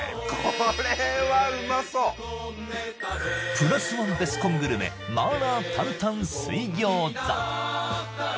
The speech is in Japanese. プラスワンベスコングルメ麻辣担々水餃子